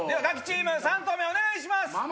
ガキチーム３投目お願いします。